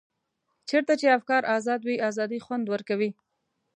چېرته چې افکار ازاد وي ازادي خوند ورکوي.